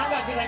gak ada pak